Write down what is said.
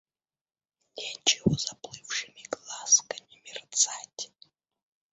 Нечего заплывшими глазками мерцать.